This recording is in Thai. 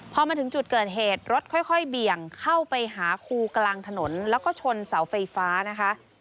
พอมาถึงจุดเกิดเหตุรถค่อยเบี่ยงเข้าไปหาครูกลางถนนแล้วก็ชนเสาไฟฟ้านะคะ